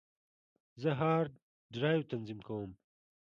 زه هارد ډرایو تنظیم کوم.